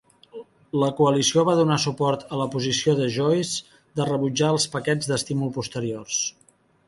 La coalició va donar suport a la posició de Joyce de rebutjar els paquets d'estímul posteriors.